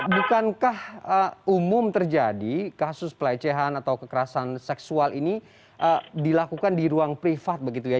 bukankah umum terjadi kasus pelecehan atau kekerasan seksual ini dilakukan di ruang privat begitu ya